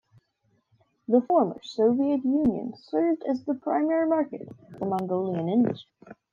The former Soviet Union served as the primary market for Mongolian industry.